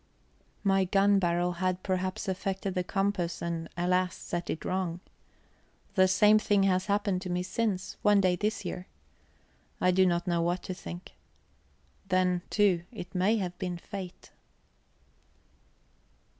My gun barrel had perhaps affected the compass and, alas, set it wrong. The same thing has happened to me since one day this year. I do not know what to think. Then, too, it may have been fate.